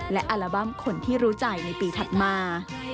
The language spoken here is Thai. และอัลบั้มคนที่รู้ใจในปีถัดมา